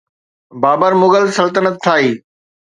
بابر مغل سلطنت ٺاهي.